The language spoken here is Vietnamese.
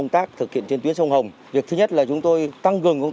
thực hiện đúng chế độ năm k